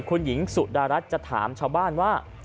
คุณหญิงสุดารัฐจะถามชาวบ้านว่า